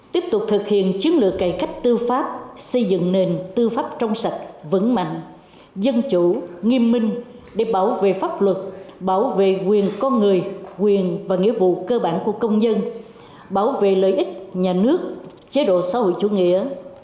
tiếp tục thực hiện chiến lược cải cách tư pháp xây dựng nền tư pháp trong sạch vững mạnh dân chủ nghiêm minh để bảo vệ pháp luật bảo vệ quyền con người quyền và nghĩa vụ cơ bản của công dân bảo vệ lợi ích nhà nước chế độ xã hội chủ nghĩa